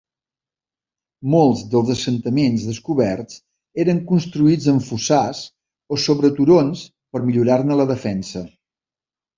Molts dels assentaments descoberts eren construïts en fossars o sobre turons per millorar-ne la defensa.